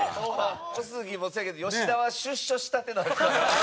小杉もそうやけど吉田は出所したてなんですか？